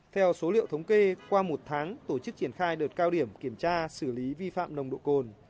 theo số liệu thống kê qua một tháng tổ chức triển khai đợt cao điểm kiểm tra xử lý vi phạm nồng độ cồn